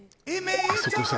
あそこさ